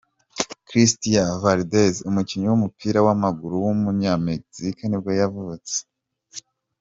Christian Valdéz, umukinnyi w’umupira w’amaguruw’umunyamegizike nibwo yavutse.